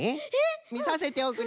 みさせておくれ！